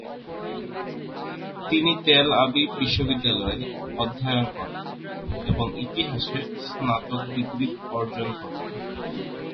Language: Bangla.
তিনি তেল আবিব বিশ্ববিদ্যালয়ে অধ্যয়ন করেন এবং ইতিহাসে স্নাতক ডিগ্রী অর্জন করেন।